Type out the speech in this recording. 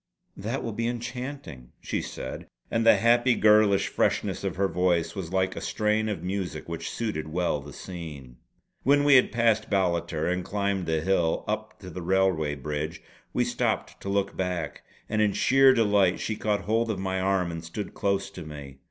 "That will be enchanting!" she said, and the happy girlish freshness of her voice was like a strain of music which suited well the scene. When we had passed Ballater and climbed the hill up to the railway bridge we stopped to look back; and in sheer delight she caught hold of my arm and stood close to me.